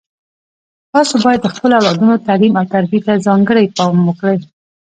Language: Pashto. تاسو باید د خپلو اولادونو تعلیم او تربیې ته ځانګړی پام وکړئ